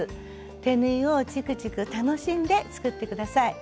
手縫いをちくちく楽しんで作って下さい。